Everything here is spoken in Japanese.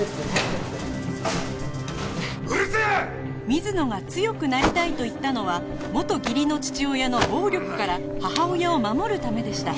水野が強くなりたいと言ったのは元義理の父親の暴力から母親を守るためでした